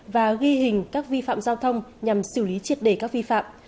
và ghi hình các vi phạm giao thông nhằm xử lý triệt đề các vi phạm